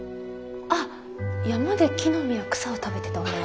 あっ山で木の実や草を食べてた女の子？